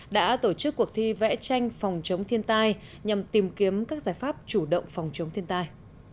đã tổ chức cuộc thi vẽ tranh phòng chống thiên tai nhằm tìm kiếm các giải pháp chủ động phòng chống thiên tai